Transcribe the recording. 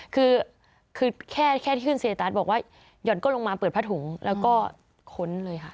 คือแค่ที่ขึ้นเซตัสบอกว่าหย่อนก้นลงมาเปิดผ้าถุงแล้วก็ค้นเลยค่ะ